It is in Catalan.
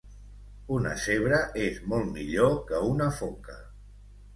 Una zebra és molt millor que una foca